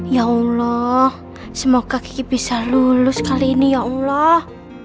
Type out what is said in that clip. ya allah semoga kaki bisa lulus kali ini ya allah